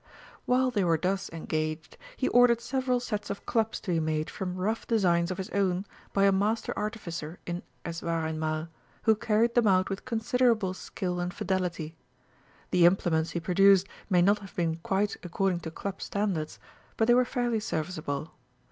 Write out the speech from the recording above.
While they were thus engaged he ordered several sets of clubs to be made from rough designs of his own by a master artificer in Eswareinmal, who carried them out with considerable skill and fidelity. The implements he produced may not have been quite according to Club standards, but they were fairly serviceable.